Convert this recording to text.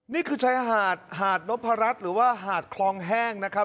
นี่คือชายหาดหาดนพรัชหรือว่าหาดคลองแห้งนะครับ